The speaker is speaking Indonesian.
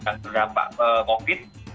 dan berdampak covid